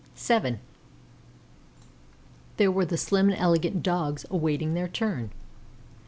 VII There were the slim and elegant Dogs awaiting their turn.